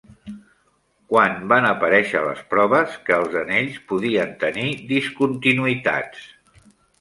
Quan van aparèixer les proves que els anells podien tenir discontinuïtats?